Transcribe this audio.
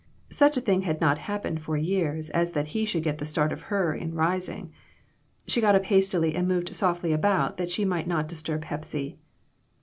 Such a thing had not happened for years as that he should get the start of her in rising. She got up hastily and moved softly about, that she might not disturb Hepsy.